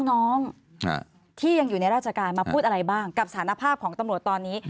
น้องที่ยังอยู่ในราชการมาพูดอะไรบ้างกับสารภาพของตำรวจตอนนี้